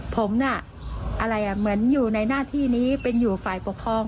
ผมน่ะอะไรอ่ะเหมือนอยู่ในหน้าที่นี้เป็นอยู่ฝ่ายปกครอง